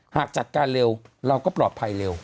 หากจัดการเร็วเราก็ปลอดภัยเร็ว